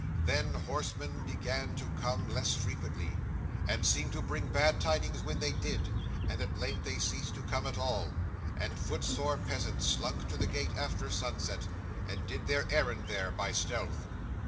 Then, horsemen began to come less frequently, and seemed to bring bad tidings when they did, and at length they ceased to come at all, and footsore peasants slunk to the gate after sunset, and did their errand there, by stealth.